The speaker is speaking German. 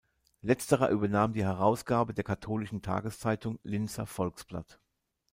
Letzterer übernahm die Herausgabe der katholischen Tageszeitung "Linzer Volksblatt".